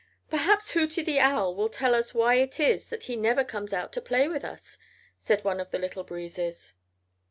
"Perhaps Hooty the Owl will tell us why it is that he never comes out to play with us," said one of the Little Breezes.